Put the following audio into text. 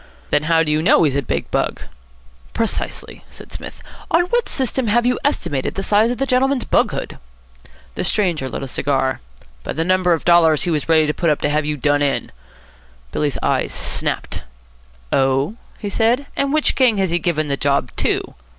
"Then how do you know he's a big bug?" "Precisely," said Psmith. "On what system have you estimated the size of the gentleman's bughood?" The stranger lit a cigar. "By the number of dollars he was ready to put up to have you done in." Billy's eyes snapped. "Oh?" he said. "And which gang has he given the job to?"